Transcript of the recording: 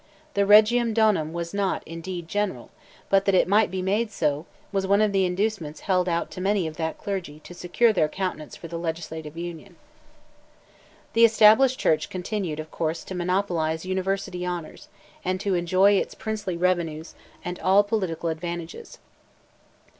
The Regium Donum was not, indeed, general; but that it might be made so, was one of the inducements held out to many of that clergy to secure their countenance for the Legislative Union. The Established Church continued, of course, to monopolize University honours, and to enjoy its princely revenues and all political advantages.